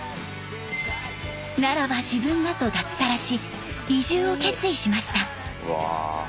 「ならば自分が」と脱サラし移住を決意しました。